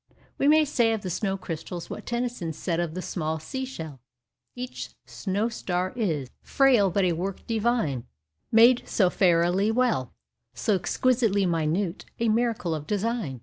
We may say of the snow crystals what Tennyson said of the small sea shell. Each snow star is Frail, but a work divine Made so fairily well, So exquisitely minute, A miracle of design.